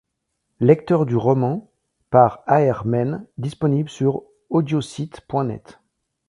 Lecture du roman, par Ar Men, disponible sur Audiocite.net.